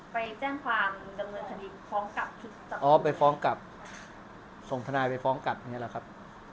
ไปแจ้งความดำเนินคดีฟ้องกลับอ๋อไปฟ้องกลับส่งทนายไปฟ้องกลับอย่างนี้แหละครับ